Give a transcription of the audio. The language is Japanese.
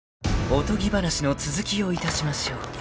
［おとぎ話の続きをいたしましょう］